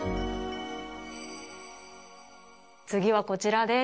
つぎはこちらです。